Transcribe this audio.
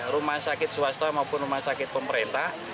rumah sakit swasta maupun rumah sakit pemerintah